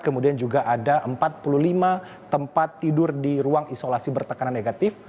kemudian juga ada empat puluh lima tempat tidur di ruang isolasi bertekanan negatif